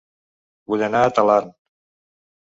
Vull anar a Talarn